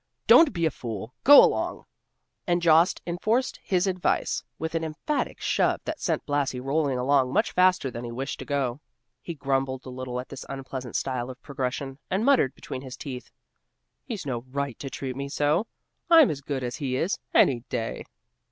Don't be a fool! Go along!" and Jost enforced his advise with an emphatic shove that sent Blasi rolling along much faster than he wished to go. He grumbled a little at this unpleasant style of progression, and muttered between his teeth, "He's no right to treat me so; I'm as good as he is, any day."